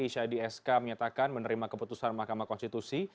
isyadi eska menyatakan menerima keputusan mahkamah konstitusi